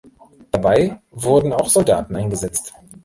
Dabei wurden auch Soldaten eingesetzt.